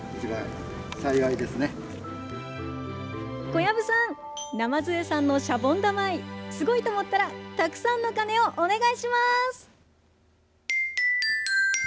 小籔さん、鯰江さんのシャボン玉愛、すごいと思ったら、たくさんの鐘をお願いします。